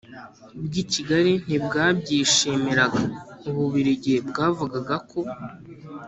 bw i Kigali ntibwabyishimiraga u Bubirigi bwavugaga ko